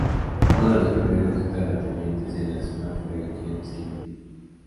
Uno de los primeros terratenientes en la zona fue James Gibbon.